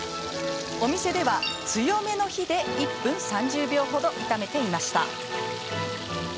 お店では強めの火で１分３０秒程、炒めていました。